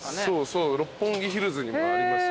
そう六本木ヒルズにもあります。